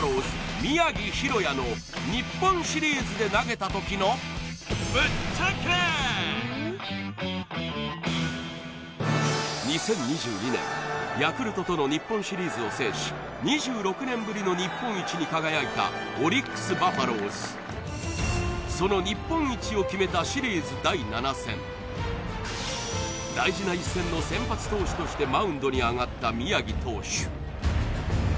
宮城大弥の日本シリーズで投げた時の２０２２年ヤクルトとの日本シリーズを制しに輝いたオリックス・バファローズその日本一を決めたシリーズ第７戦大事な一戦の先発投手としてマウンドに上がった宮城投手